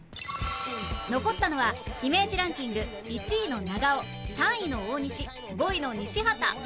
残ったのはイメージランキング１位の長尾３位の大西５位の西畑